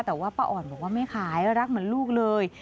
แต่ว่าป้าอ่อนบอกว่าไม่ขายรักเหมือนลูกเลย